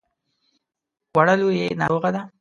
وړه لور يې ناروغه ده.